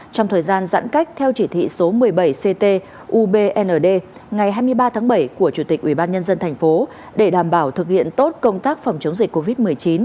trong thời gian giãn cách theo chỉ thị số một mươi bảy ct ubnd ngày hai mươi ba tháng bảy của chủ tịch ủy ban nhân dân thành phố để đảm bảo thực hiện tốt công tác phòng chống dịch covid một mươi chín